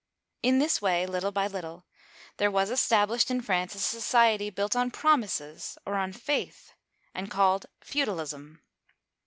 In this way, little by little, there was established in France a society built on promises, or on faith, and called feudalism.